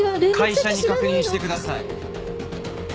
会社に確認してください。